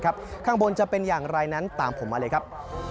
ข้างบนจะเป็นอย่างไรนั้นตามผมมาเลยครับ